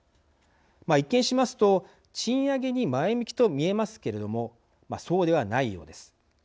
一見しますと賃上げに前向きと見えますけれどもそうではないようです。